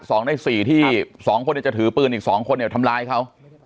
สองในสี่ที่สองคนเนี่ยจะถือปืนอีกสองคนเนี่ยทำร้ายเขา